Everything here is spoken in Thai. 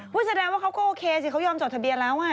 แสดงว่าเขาก็โอเคสิเขายอมจดทะเบียนแล้ว